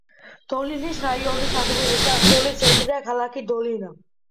დოლინის რაიონის ადმინისტრაციული ცენტრია ქალაქი დოლინა.